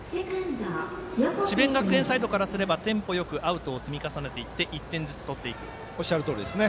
智弁学園サイドからすればテンポよくアウトを積み重ねていっておっしゃるとおりですね。